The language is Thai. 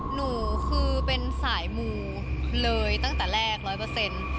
หนูคือเป็นสายมูเลยตั้งแต่แรก๑๐๐